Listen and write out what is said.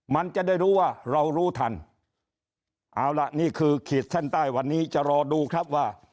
มันจะได้รู้ว่าเรารู้ทันเอาล่ะนี่คือขีดเส้นใต้วันนี้จะรอดูครับว่า